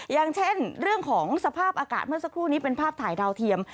อย่างเช่นเรื่องของสภาพอากาศเมื่อสักครู่นี้เป็นภาพถ่ายดาวเทียม